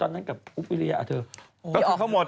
ตอนนั้นกับอุ๊บวิริยะ